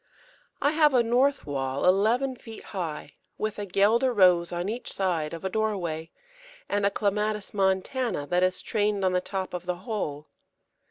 I have a north wall eleven feet high, with a Guelder Rose on each side of a doorway, and a Clematis montana that is trained on the top of the whole.